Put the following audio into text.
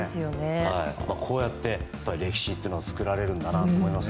こうやって歴史というのは作られるんだなと思います。